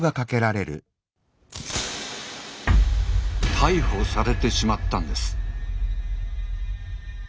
逮捕されてしまったんです。